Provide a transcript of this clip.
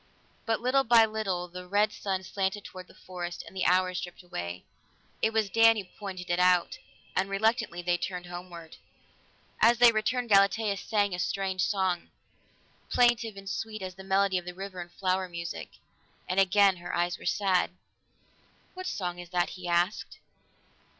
But little by little the red sun slanted toward the forest, and the hours dripped away. It was Dan who pointed it out, and reluctantly they turned homeward. As they returned, Galatea sang a strange song, plaintive and sweet as the medley of river and flower music. And again her eyes were sad. "What song is that?" he asked.